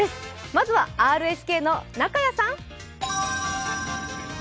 まずはＲＳＫの中屋さん。